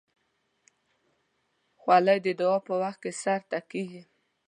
خولۍ د دعا وخت کې سر ته کېږي.